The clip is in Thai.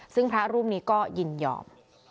ซึ่งพระรูปนี้ก็ยินยอม